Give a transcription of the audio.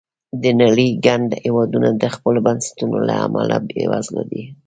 د نړۍ ګڼ هېوادونه د خپلو بنسټونو له امله بېوزله دي.